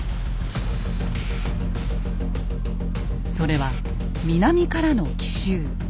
それは南からの奇襲。